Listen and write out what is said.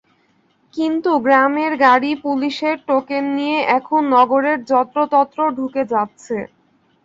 কিন্তু গ্রামের গাড়ি পুলিশের টোকেন নিয়ে এখন নগরের যত্রতত্র ঢুকে যাচ্ছে।